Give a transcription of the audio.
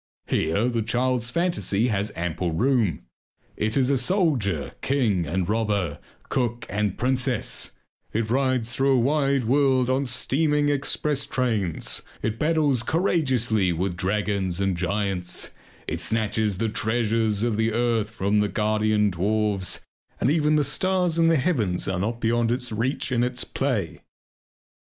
Here the child's fantasy has ample room. It is a soldier, king, and robber, cook, and princess; it rides through a wide world on steaming express trains, it battles courageously with dragons and giants, it snatches the treasures of the earth from their guardian dwarfs, and even the stars in the heavens are not beyond its reach in its play.